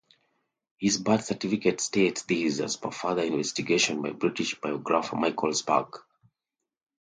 His birth certificate states this as per further investigation by British biographer Michael Sparke.